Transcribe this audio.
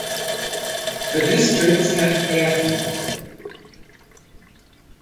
The districts have airfields.